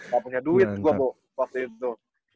gak punya duit gua waktu itu